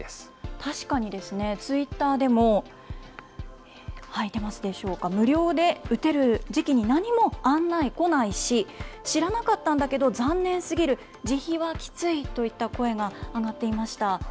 確かにですね、ツイッターでも、出ますでしょうか、無料で打てる時期に何も案内来ないし、知らなかったんだけど、残念すぎる、自費はきついといった声が上がっていました。